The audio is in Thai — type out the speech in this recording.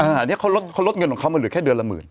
อันนี้เขาลดเงินของเขามาเหลือแค่เดือนละหมื่น